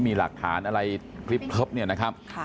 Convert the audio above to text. มีหลักฐานอะไรคลิปเนี่ยนะครับ